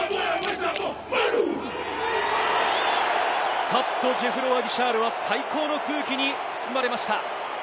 スタッド・ジェフロワ・ギシャールは最高の空気に包まれました。